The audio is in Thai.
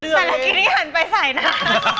แต่ละสิทธิ์ที่หันไปใส่หน้า